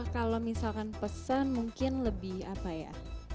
kalo misalkan pesan mungkin lebih apa ya